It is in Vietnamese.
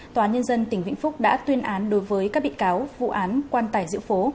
tòa nhân dân tỉnh vĩnh phúc đã tuyên án đối với các bị cáo vụ án quan tài diệu phố